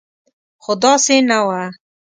خو داسې نه وه.